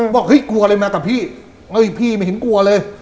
บอกเฮ้ยกลัวอะไรมากับพี่เฮ้ยพี่ไม่เห็นกลัวเลย